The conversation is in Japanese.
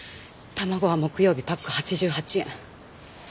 卵は木曜日パック８８円。